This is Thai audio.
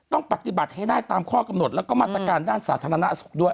ต้องปฏิบัติให้ได้ตามข้อกำหนดแล้วก็มาตรการด้านสาธารณสุขด้วย